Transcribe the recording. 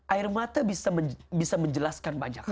air mata bisa menjelaskan banyak hal